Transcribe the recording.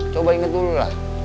coba inget dulu lah